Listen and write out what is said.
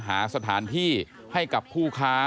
หาสถานที่ให้กับผู้ค้า